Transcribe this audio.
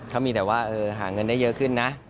เขามีแต่ว่าหาเงินได้เยอะขึ้นนะ